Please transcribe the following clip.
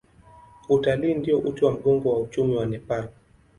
Utalii ndio uti wa mgongo wa uchumi wa Nepal.